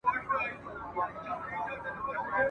د پردي زوی څخه خپله لور ښه ده ..